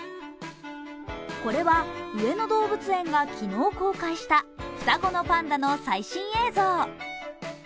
これは上野動物園が昨日公開した双子のパンダの最新映像。